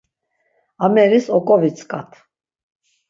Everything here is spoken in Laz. Ameris oǩovitzǩat.